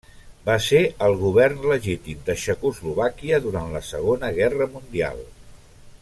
Va ser el govern legítim de Txecoslovàquia durant la Segona Guerra Mundial.